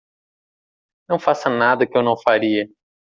Não faça nada que eu não faria.